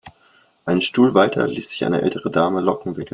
Einen Stuhl weiter ließ sich eine ältere Dame Locken wickeln.